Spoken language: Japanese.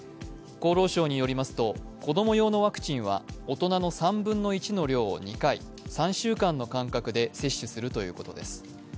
厚労省によりますと、子供用のワクチンは大人の３分の１の量を２回３週間の間隔で接種するということです。